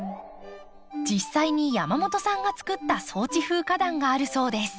実際に山本さんが作った草地風花壇があるそうです。